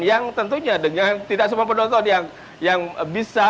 yang tentunya dengan tidak semua penonton yang bisa